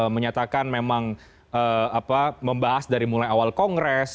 menyatakan memang membahas dari mulai awal kongres